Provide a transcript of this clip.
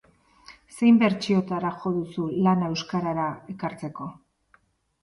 Zein bertsiotara jo duzu lana euskarara ekartzeko?